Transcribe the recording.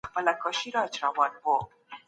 تخنیکي وسایل د معلولینو ژوند هم اسانه کوي.